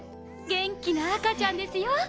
元気な赤ちゃんですよ。